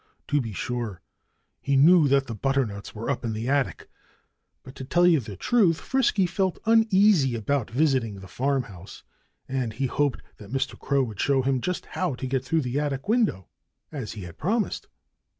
To be sure, he knew that the butternuts were up in the attic. But to tell the truth, Frisky felt uneasy about visiting the farmhouse. And he hoped that Mr. Crow would show him just how to get through the attic window, as he had promised.